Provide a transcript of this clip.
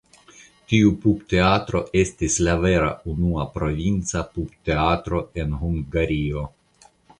Tiu pupteatro estis la vera unua provinca pupteatro en Hungario.